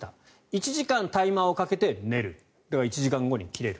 １時間タイマーをかけて寝るだから１時間後に切れる。